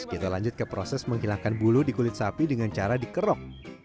kita lanjut ke proses menghilangkan bulu di kulit sapi dengan cara dikerok